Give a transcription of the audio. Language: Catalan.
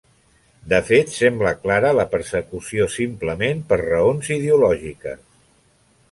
De fet, sembla clara la persecució simplement per raons ideològiques.